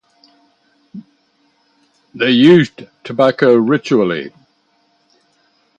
They used tobacco ritually.